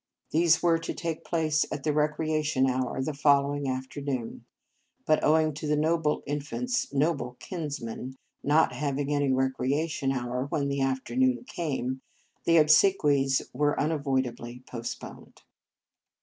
These were to take place at the recreation hour the following afternoon; but owing to the noble infant s noble kinsmen not having any recreation hour when the afternoon came, the obsequies were unavoidably postponed.